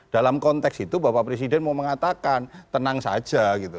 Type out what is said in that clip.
dalam konteks itu bapak presiden mau mengatakan tenang saja gitu